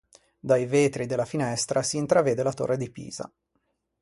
Dai vetri della finestra si intravede la Torre di Pisa.